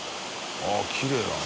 あっきれいだね。